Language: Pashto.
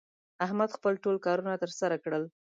احمد خپل ټول کارونه تر سره کړل